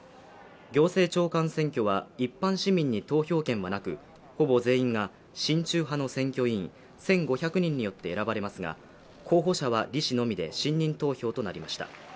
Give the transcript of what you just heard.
行政長官選挙は一般市民に投票権はなく、ほぼ全員が親中派の選挙委員１５００人によって選ばれますが候補者は李氏のみで信任投票となりました。